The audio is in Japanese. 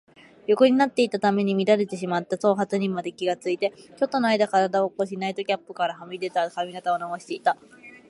横になっていたために乱れてしまった頭髪にまで気がついて、ちょっとのあいだ身体を起こし、ナイトキャップからはみ出た髪形をなおしていた。